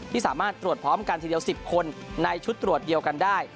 สามารถตรวจพร้อมกันทีเดียว๑๐คนในชุดตรวจเดียวกันได้